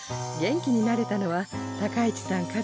元気になれたのは高市さん